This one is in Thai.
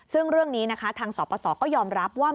ซึ่งเรื่องนี้นะคะทางสปสก็ยอมรับว่า